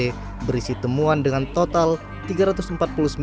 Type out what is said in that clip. yang menjelaskan surat ppatk yang menjadi dasar mahfud md